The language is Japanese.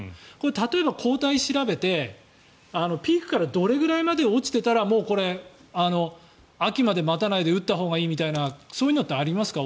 例えば抗体を調べてピークからどれぐらいまで落ちていればもうこれ、秋まで待たないで打ったほうがいいみたいなそういうのってありますか。